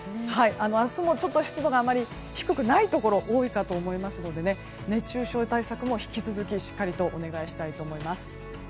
明日も湿度があまり低くないところが多いかと思いますので熱中症対策も、引き続きしっかりとお願いしたいと思います。